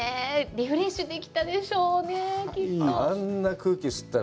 リフレッシュできたでしょうね、きっと。